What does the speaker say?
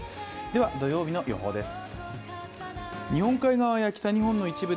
では土曜日の予報です。